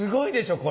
これ。